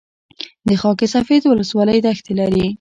د خاک سفید ولسوالۍ دښتې لري